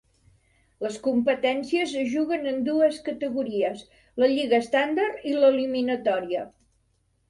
Les competències es juguen en dues categories: La lliga estàndard i l'eliminatòria.